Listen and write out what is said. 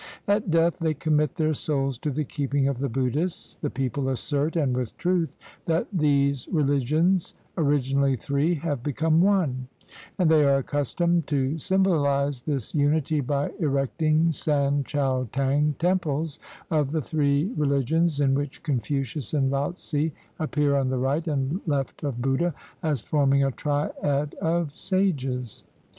At death they commit their souls to the keeping of the Buddhists. The people assert, and with truth, that these religions, originally three, have become one; and they are accustomed to symbolize this unity by erecting San Chiao T'ang, Temples of the Three Reli gions, in which Confucius and Laotze appear on the right and left of Buddha, as forming a triad of sages.